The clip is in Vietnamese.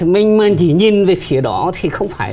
mình chỉ nhìn về phía đó thì không phải